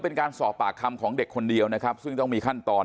เป็นการสอบปากคำของเด็กคนเดียวนะครับซึ่งต้องมีขั้นตอน